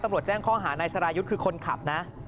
ตำรวจแจ้งข้อหาในสารายุทธิ์คือคนขับนะ